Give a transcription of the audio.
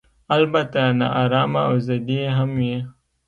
البته نا ارامه او ضدي هم وي.